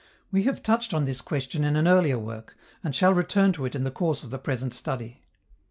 We have touched on this question in an earlier work, and shall return to it in the course of the present study.